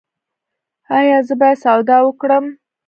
ایا زه باید سودا وکړم؟